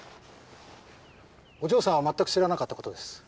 お嬢さんはまったく知らなかったことです。